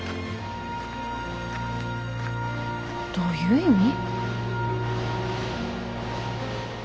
どういう意味？